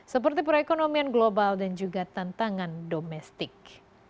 seperti perekonomian global dan juga tantangan domestik